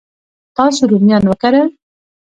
تاسو رومیان وکرل؟